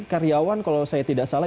karyawan kalau saya tidak salah